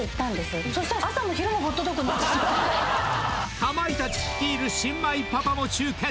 かまいたち率いる新米パパも集結。